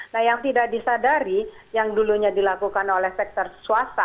nah yang tidak disadari yang dulunya dilakukan oleh sektor swasta